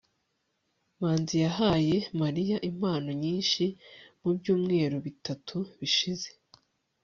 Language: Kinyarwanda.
manzi yahaye mariya impano nyinshi mubyumweru bitatu bishize